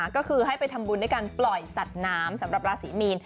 ก็คือให้ไปทำบุญด้วยการปล่อยสัตว์น้ำสำหรับราศีมีน